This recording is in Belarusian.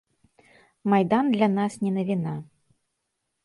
Майдан для нас не навіна.